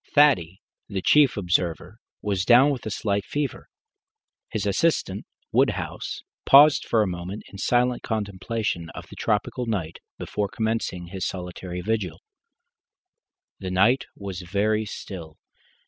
Thaddy, the chief observer, was down with a slight fever. His assistant, Woodhouse, paused for a moment in silent contemplation of the tropical night before commencing his solitary vigil. The night was very still.